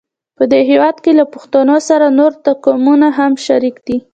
په دغه هېواد کې له پښتنو سره نور توکمونه هم شریک دي.